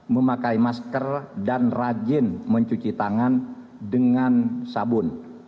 memakai masker dan rajin mencuci tangan dengan sabun